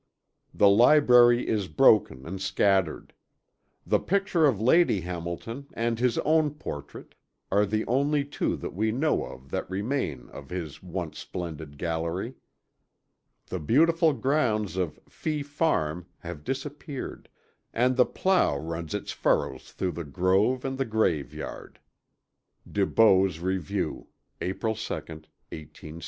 The library is broken and scattered. The picture of Lady Hamilton, and his own portrait, are the only two that we know of that remain of his once splendid gallery. The beautiful grounds of "FEE FARM" have disappeared, and the plough runs its furrows through the grove, and the grave yard.". DeBow's Review, April 2, 1866. APPENDIX MR.